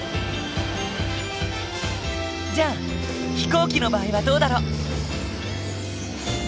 じゃあ飛行機の場合はどうだろう？